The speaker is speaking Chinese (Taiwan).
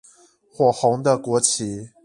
火紅的國旗